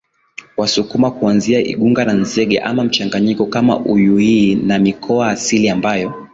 Wasukuma kuanzia Igunga na Nzega ama mchanganyiko kama Uyuihii ni mikoa asili ambayo